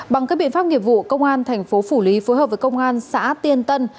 bằng các biện pháp nghiệp vụ công an tp hcm phối hợp với công an xã tiên tân